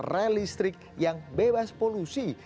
relistrik yang bebas polusi